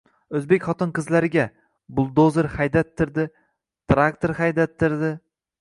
O’zbek xotin-qizlariga... buldozer haydattirdi, traktor haydattirdi!»